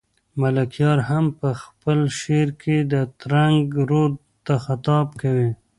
ملکیار هم په خپل شعر کې ترنک رود ته خطاب کوي.